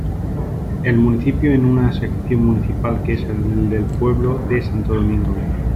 El municipio en una sección municipal que es el pueblo de Santo Domingo.